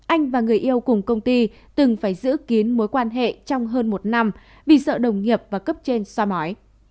anh và người yêu cùng công ty từng phải giữ kiến mối quan hệ trong hơn một năm vì sợ đồng nghiệp và cấp trên so mỏi